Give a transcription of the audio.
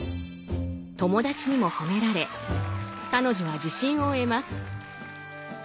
友達にも褒められ彼女は自信を得ます。